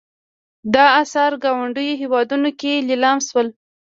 دا اثار ګاونډیو هېوادونو کې لیلام شول.